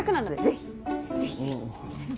ぜひぜひ！